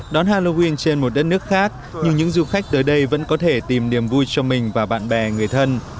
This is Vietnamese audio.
đón halloween trên một đất nước khác nhưng những du khách tới đây vẫn có thể tìm niềm vui cho mình và bạn bè người thân